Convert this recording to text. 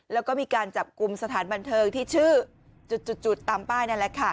แล้วก็มีการจับกลุ่มสถานบันเทิงที่ชื่อจุดตามป้ายนั่นแหละค่ะ